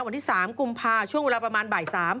วันที่๓กุมภาช่วงเวลาประมาณบ่าย๓